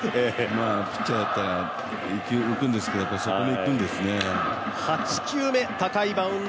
ピッチャーだったら勢いづくんですけどそこで浮くんですね。